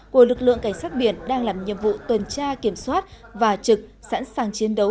của lực lượng cảnh sát biển đang làm nhiệm vụ tuần tra kiểm soát và trực sẵn sàng chiến đấu